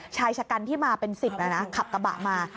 ชายชะกันที่มาเป็น๑๐ขับกระบะมา